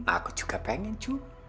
aku juga pengen jum